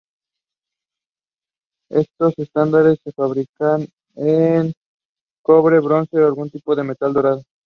Estos estandartes se fabricaban en cobre, bronce u otro tipo de metal dorado.